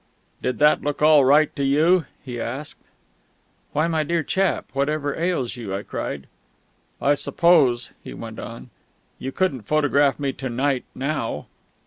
"Did that look all right to you?" he asked. "Why, my dear chap, whatever ails you?" I cried. "I suppose," he went on, "you couldn't photograph me to night now?"